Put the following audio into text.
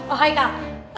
oh hai kak